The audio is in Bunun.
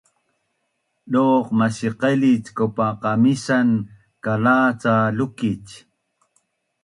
Duq masiqailic kaupa qamisan kalac a lukic?